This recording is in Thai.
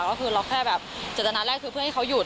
ก็คือเราแค่แบบเจตนาแรกคือเพื่อให้เขาหยุด